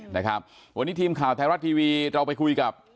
ตอนนี้ทีมข่าวแทร่ารัดทีวีเราไปคุยกับ